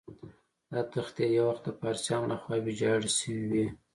دا تختې یو وخت د پارسیانو له خوا ویجاړ شوې وې.